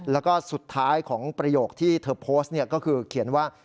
แล้วก็สุดท้ายของประโยคที่เธอโพสต์ก็คือเขียนว่า